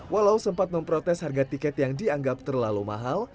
walau sempat memprotes harga tiket yang dianggap terlalu mahal